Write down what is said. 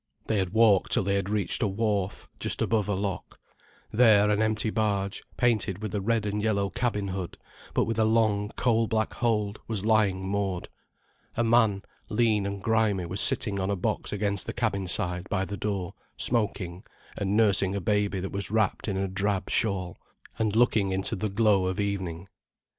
They had walked till they had reached a wharf, just above a lock. There an empty barge, painted with a red and yellow cabin hood, but with a long, coal black hold, was lying moored. A man, lean and grimy, was sitting on a box against the cabin side by the door, smoking, and nursing a baby that was wrapped in a drab shawl, and looking into the glow of evening.